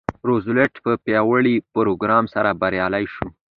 روزولټ په پیاوړي پروګرام سره بریالی شو.